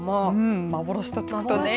幻とつくとね。